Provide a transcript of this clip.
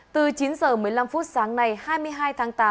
từ chín h một mươi năm phút sáng nay hai mươi hai tháng tám